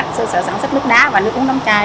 cơ sở sản xuất nước đá và nước uống đóng chai